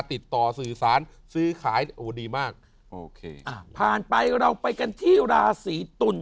ติดต่อสื่อสารซื้อขายโอ้ดีมากโอเคอ่าผ่านไปเราไปกันที่ราศีตุล